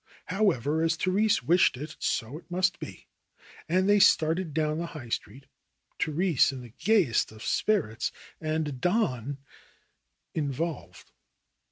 However, as Therese wished it so it must be. And they started down the High Street, Therese in the gayest of spirits and Don — involved.